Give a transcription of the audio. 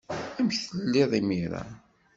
Amek telliḍ imir-a?